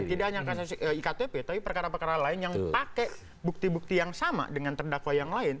tidak hanya kasus iktp tapi perkara perkara lain yang pakai bukti bukti yang sama dengan terdakwa yang lain